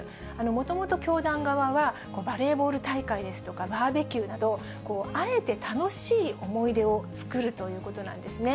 もともと教団側は、バレーボール大会ですとかバーベキューなど、あえて楽しい思い出を作るということなんですね。